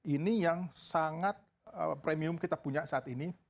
ini yang sangat premium kita punya saat ini